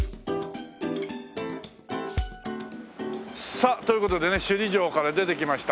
さあという事でね首里城から出てきました。